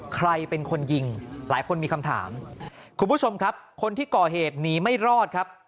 ใครเป็นคนยิงหลายคนมีคำถามคุณผู้ชมครับคนที่ก่อเหตุหนีไม่รอดครับ